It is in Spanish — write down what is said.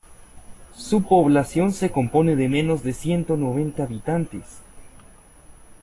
Su población se compone de menos de ciento noventa habitantes.